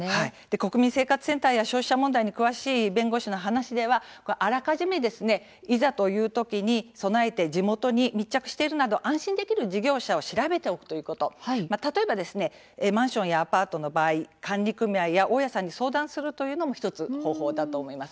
国民生活センターや消費者問題に詳しい弁護士の話では、あらかじめいざというときに備えて地元に密着しているなど安心できる事業者を調べておく例えば、マンションやアパートの場合、管理組合や大家さんに相談するのも１つの方法だと思います。